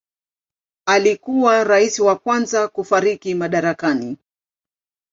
Alikuwa rais wa kwanza kufariki madarakani.